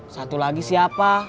satu lagi siapa